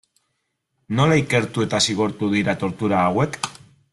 Nola ikertu eta zigortu dira tortura hauek?